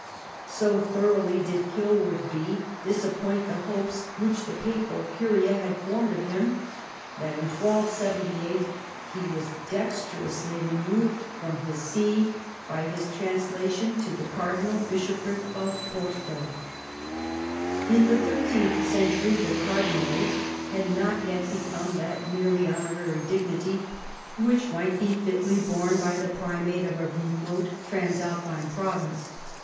So thoroughly did Kilwardby dis appoint the hopes which the papal Curia had formed of him, that in 1278 he Avas dexterously removed from his see by his translation to the cardinal bishopric of Porto. In the thirteenth century the cardinalate had not yet become that merely honorary dignity which might be fitly borne by the primate of a remote trans alpine province.